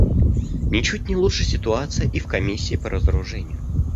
Ничуть не лучше ситуация и в Комиссии по разоружению.